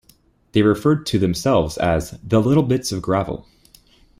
They referred to themselves as "The Little Bits of Gravel".